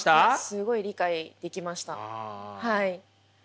すごい理解できましたはい。